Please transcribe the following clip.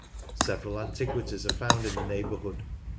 Several antiquities are found in the neighbourhood.